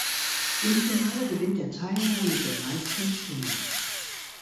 Im Finale gewinnt der Teilnehmer mit den meisten Stimmen.